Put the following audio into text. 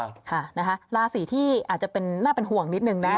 ค่ะนะคะราศีที่อาจจะเป็นน่าเป็นห่วงนิดนึงนะ